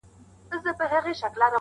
په همدې تنګو دروکي -